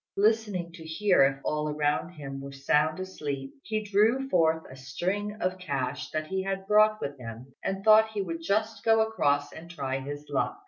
Listening to hear if all around him were sound asleep, he drew forth a string of cash that he had brought with him, and thought he would just go across and try his luck.